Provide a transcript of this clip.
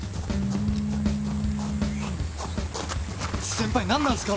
・先輩何なんすか？